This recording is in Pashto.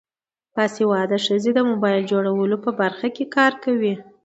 باسواده ښځې د موبایل جوړولو په برخه کې کار کوي.